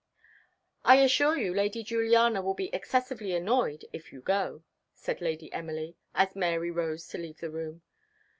"I assure you Lady Juliana will be excessively annoyed if you go," said Lady Emily, as Mary rose to leave the room.